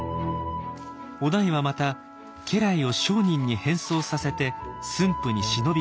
於大はまた家来を商人に変装させて駿府に忍び込ませ。